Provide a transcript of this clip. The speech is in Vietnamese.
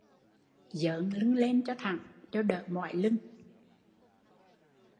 Dớn lưng lên cho thẳng cho đỡ mỏi lưng